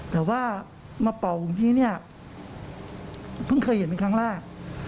แต่ว่ามาเป่าของพี่เนี่ยเพิ่งเคยเห็นเป็นครั้งแรก